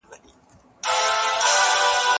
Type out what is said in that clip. زکات د غریبو خلګو د ژوند د سمون لاره ده.